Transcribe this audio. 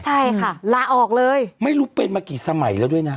ใช่ค่ะลาออกเลยไม่รู้เป็นมากี่สมัยแล้วด้วยนะ